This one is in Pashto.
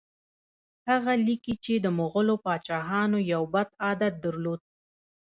هغه لیکي چې د مغولو پاچاهانو یو بد عادت درلود.